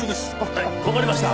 はいわかりました。